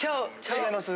違います？